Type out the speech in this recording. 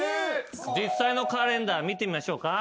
実際のカレンダー見てみましょうか。